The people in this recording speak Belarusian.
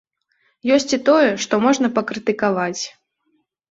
Ёсць і тое, што можна пакрытыкаваць.